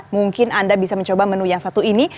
mungkin anda bisa mencoba menu yang satu ini